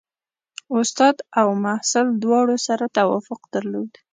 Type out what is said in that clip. استاد او محصل دواړو سره توافق درلود.